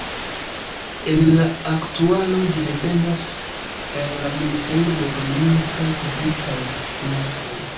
En la aktualo ĝi dependas el la Ministerio de Ekonomio kaj Publikaj Financoj.